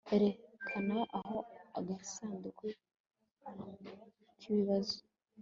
erekana aho agasanduku k'ibibazo